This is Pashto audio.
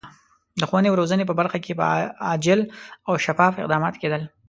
د ښوونې او روزنې په برخه کې به عاجل او شفاف اقدامات کېدل.